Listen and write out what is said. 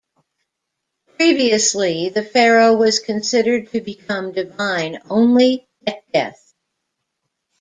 Previously the pharaoh was considered to become divine only at death.